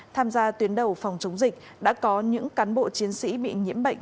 tham gia tuyến đầu phòng chống dịch đã có những cán bộ chiến sĩ bị nhiễm bệnh